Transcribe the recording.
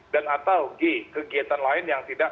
dan atau g kegiatan lain yang tidak